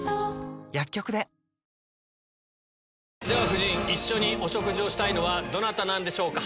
夫人一緒にお食事をしたいのはどなたなんでしょうか。